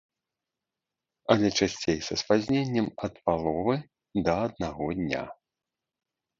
Але часцей са спазненнем ад паловы да аднаго дня.